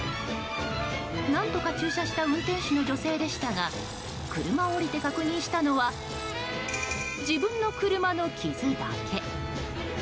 何とか駐車した運転手の女性でしたが車を降りて確認したのは自分の車の傷だけ。